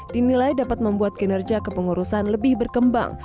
dinilai dapat membuat kinerja kepengurusan lebih berkembang